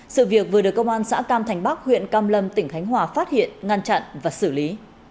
sự việc vừa được công an xã cam thành bắc huyện cam lâm tỉnh khánh hòa phát hiện ngăn chặn và xử lý